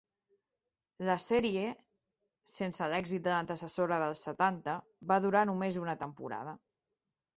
La sèrie, sense l'èxit de l'antecessora dels setanta, va durar només una temporada.